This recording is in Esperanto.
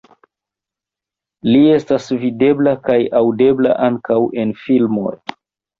Li estas videbla kaj aŭdebla ankaŭ en filmoj.